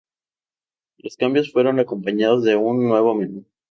Los cambios fueron acompañados de un nuevo menú.